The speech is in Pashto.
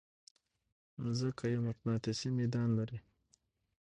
مځکه یو مقناطیسي ميدان لري.